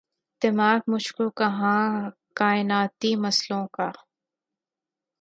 دماغ مجھ کو کہاں کائناتی مسئلوں کا